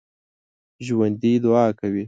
ژوندي دعا کوي